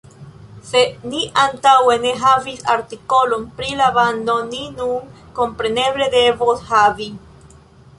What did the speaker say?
Se ni antaŭe ne havis artikolon pri la bando ni nun kompreneble devos havi!